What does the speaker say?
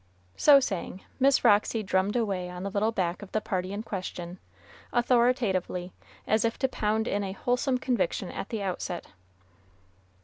So saying, Miss Roxy drummed away on the little back of the party in question, authoritatively, as if to pound in a wholesome conviction at the outset.